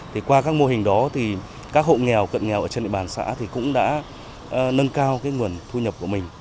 thì qua các mô hình đó thì các hộ nghèo cận nghèo ở trên địa bàn xã thì cũng đã nâng cao cái nguồn thu nhập của mình